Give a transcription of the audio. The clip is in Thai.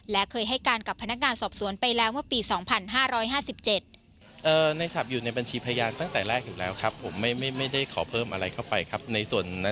และเคยให้การกับพนักงานสอบสวนไปแล้วเมื่อปี๒๕๕๗